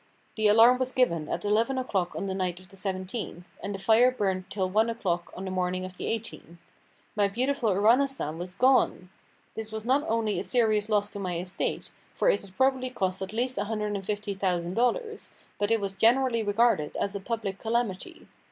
The alarm was given at eleven o'clock on the night of the 17th, and the fire burned till one o'clock on the morning of the 18th. My beautiful Iranistan was gone! This was not only a serious loss to my estate, for it had probably cost at least $150,000, but it was generally regarded as a public calamity.